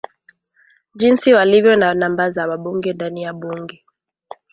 jinsi walivyo na namba za wabunge ndani ya bunge